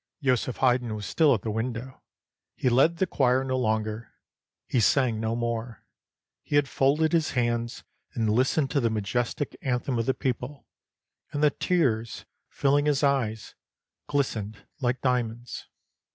Joseph Haydn was still at the window; he led the choir no longer ; he sang no more. He had folded his hands and listened to the majestic anthem of the people, and the tears, filling his eyes, glistened like diamonds.